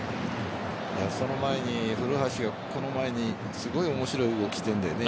その前に古橋がすごい面白い動きをしているんだよね。